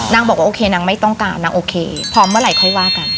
นางบอกว่าโอเคนางไม่ต้องการนางโอเคพร้อมเมื่อไหร่ค่อยว่ากัน